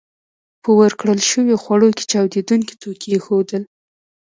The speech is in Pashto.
په ورکړل شويو خوړو کې چاودېدونکي توکي ایښودل